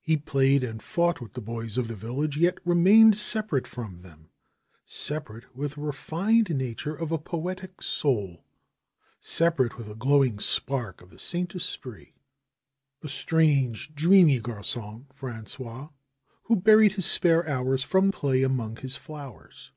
He played and fought with the boys of the village, yet remained separate from them ; separate with the refined nature of a poetic soul; separate with a glowing spark of the Saint Esprit. A strange, dreamy gargon Frangois, who buried his spare hours from play among his flowers.